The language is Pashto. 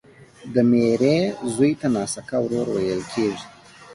د ميرې زوی ته ناسکه ورور ويل کیږي